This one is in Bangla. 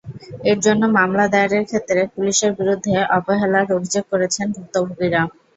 এর জন্য মামলা দায়েরের ক্ষেত্রে পুলিশের বিরুদ্ধে অবহেলার অভিযোগ করেছেন ভুক্তভোগীরা।